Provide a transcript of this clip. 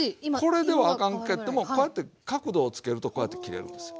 これではあかんけどもこうやって角度をつけるとこうやって切れるんですよ。